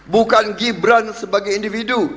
bukan gibran sebagai individu